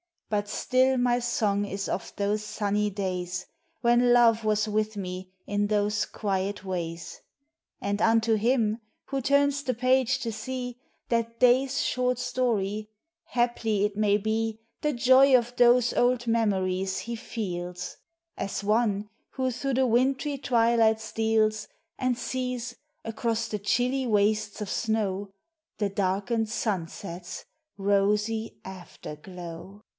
But still my song is of those sunny days When Love was with me in those quiet ways. And unto him who turns the page to see That day's short story, haply it may be, The joy of those old memories he feels: As one who through the wintry twilight steals, And sees, across the chilly wastes of snow, The darkened sunset's rosy afterglow.